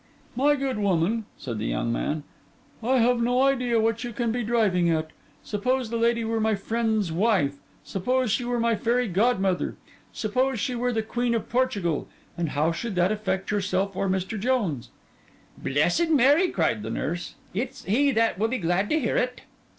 'My good woman,' said the young man, 'I have no idea what you can be driving at. Suppose the lady were my friend's wife, suppose she were my fairy godmother, suppose she were the Queen of Portugal; and how should that affect yourself or Mr. Jones?' 'Blessed Mary!' cried the nurse, 'it's he that will be glad to hear it!